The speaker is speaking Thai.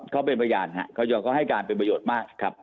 เขาเป็นประหย่านฮะเขายอมให้การเป็นประโยชน์มากครับ